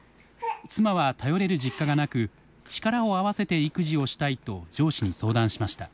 妻は頼れる実家がなく力を合わせて育児をしたいと上司に相談しました。